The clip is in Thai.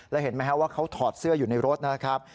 แล้วเห็นไหมครับว่าเขาถอดเสื้ออยู่ในรถนะครับ